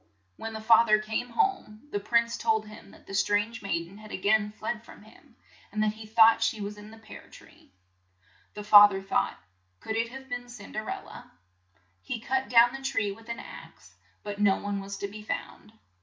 When the fa ther came home, the prince told him that the strange maid en had a gain fled from him, and that he thought she was in the pear tree. The fa ther thought, "Could it have been Cin der el la ?" He cut down the tree with an axe, but no one was to be found.